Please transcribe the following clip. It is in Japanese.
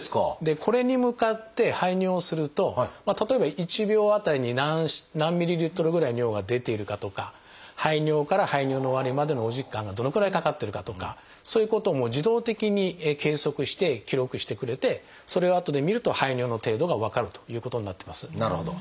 これに向かって排尿すると例えば１秒当たりに何ｍＬぐらい尿が出ているかとか排尿から排尿の終わりまでのお時間がどのくらいかかってるかとかそういうことを自動的に計測して記録してくれてそれをあとで見ると排尿の程度が分かるということになってます。